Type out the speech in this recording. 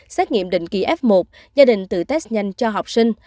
xét nghiệm định kỳ f một gia đình tự test nhanh cho học sinh